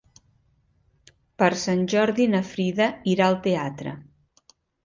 Per Sant Jordi na Frida irà al teatre.